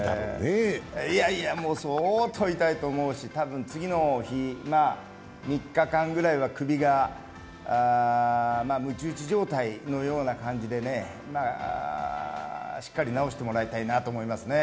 相当痛いと思うし、多分、次の日、まあ３日間くらいは首がむち打ち状態のような感じでね、しっかり治してもらいたいなと思いますね。